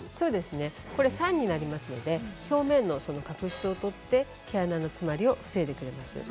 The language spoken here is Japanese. これは酸なので表面の角質を取って毛穴の詰まりを防いでくれます。